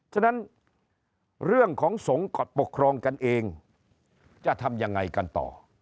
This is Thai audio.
ฉะนั้นเรื่องของสงฆ์ปกครองกันเองจะทำยังไงกันต่อ